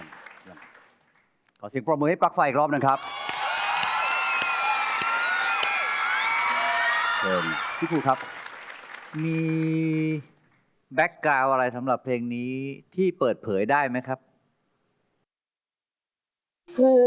นี้คือการแม่ช้าสู่อันตรายสู่มหันต์ด้วยพ่อยและร้าย